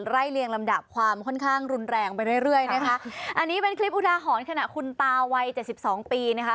เรียงลำดับความค่อนข้างรุนแรงไปเรื่อยเรื่อยนะคะอันนี้เป็นคลิปอุทาหรณ์ขณะคุณตาวัยเจ็ดสิบสองปีนะคะ